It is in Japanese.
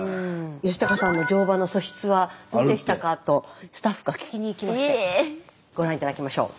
吉高さんの乗馬の素質はどうでしたか？とスタッフが聞きに行きましてご覧頂きましょう。